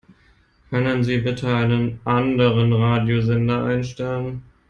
Können Sie bitte einen anderen Radiosender einstellen?